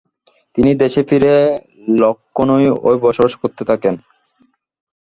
তিনি দেশে ফিরে লখনউ-এ বসবাস করতে থাকেন।